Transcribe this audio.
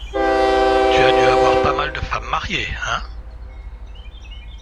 Tu as dû avoir pas mal de femmes mariées, hein ?